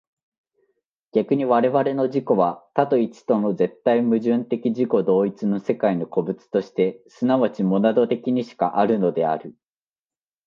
逆に我々の自己は多と一との絶対矛盾的自己同一の世界の個物として即ちモナド的にしかあるのである。